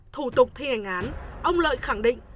thủ tục thi hành án ông lợi khẳng định